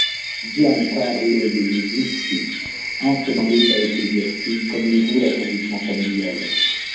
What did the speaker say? Giancarlo de' Medici entre dans l'état ecclésiastique, comme le veut la tradition familiale.